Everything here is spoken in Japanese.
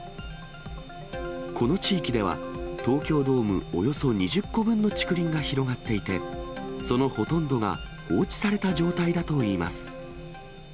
この地域では、東京ドームおよそ２０個分の竹林が広がっていて、そのほとんどが放置された状態だといいます。